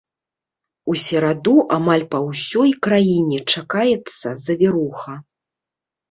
У сераду амаль па ўсёй краіне чакаецца завіруха.